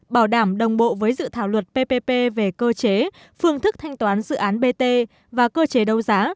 bảo đảm đồng bộ với dự thảo luật ppp về cơ chế phương thức thanh toán dự án bt và cơ chế đấu giá